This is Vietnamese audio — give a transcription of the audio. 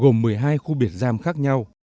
gồm một mươi hai khu biệt giam khác nhau